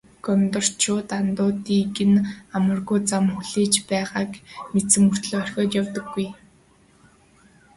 Гондорчууд андуудыг нь амаргүй зам хүлээж байгааг мэдсэн мөртөө орхиод явдаггүй.